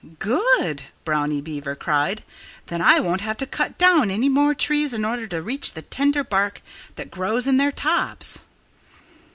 "Good!" Brownie Beaver cried. "Then I won't have to cut down any more trees in order to reach the tender bark that grows in their tops."